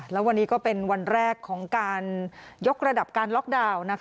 แล้ววันนี้ก็เป็นวันแรกของการยกระดับการล็อกดาวน์